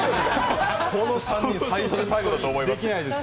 この３人最初で最後だと思います。